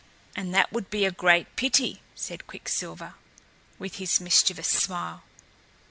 "And that would be a great pity," said Quicksilver, with his mischievous smile.